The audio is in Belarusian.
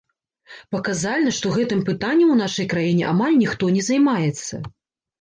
Паказальна, што гэтым пытаннем у нашай краіне амаль ніхто не займаецца.